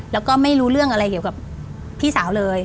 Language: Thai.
แล้วก็ไม่รู้เรื่องอะไรเกี่ยวกับพี่สาวเลย